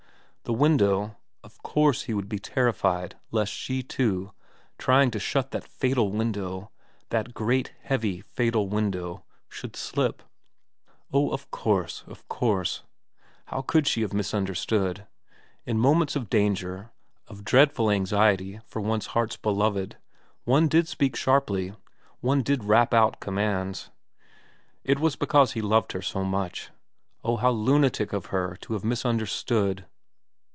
The window of course he would be terrified lest she too, trying to shut that fatal window, that great heavy fatal window, should slip. ... Oh, of course, of course how could she have misunderstood in moments of danger, of dreadful anxiety for one's heart's beloved, one did speak sharply, one did rap out commands. It was because he loved her so much. ... Oh, how lunatic of her to have misunderstood